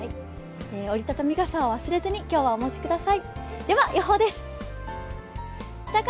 折り畳み傘を忘れずに今日はお持ちください。